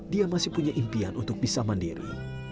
dia masih punya impian untuk bisa mandiri